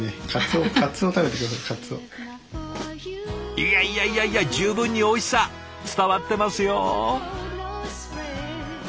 いやいやいやいや十分においしさ伝わってますよ。